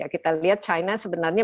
kita lihat china sebenarnya